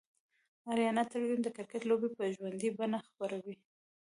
آریانا تلویزیون دکرکټ لوبې به ژوندۍ بڼه خپروي